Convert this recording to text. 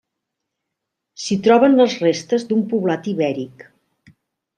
S'hi troben les restes d'un poblat ibèric.